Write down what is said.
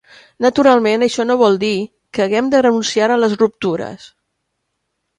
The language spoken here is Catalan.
Naturalment això no vol dir que hàgem de renunciar a les ruptures.